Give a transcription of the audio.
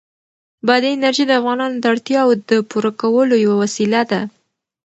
بادي انرژي د افغانانو د اړتیاوو د پوره کولو یوه وسیله ده.